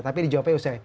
tapi di jawabannya usai